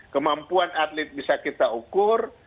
kemampuan atlet bisa kita ukur